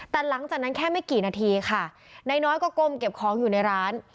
แต่หลังจากนั้นแค่ไม่กี่นาทีค่ะนายน้อยก็ก้มเก็บของอยู่ในร้าน